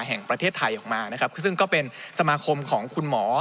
แห่งประเทศไทยออกมานะครับซึ่งก็เป็นสมาคมของคุณหมอ